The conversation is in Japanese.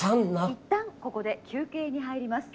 「いったんここで休憩に入ります」